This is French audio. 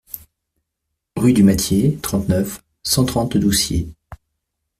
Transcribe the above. Rue du Mattier, trente-neuf, cent trente Doucier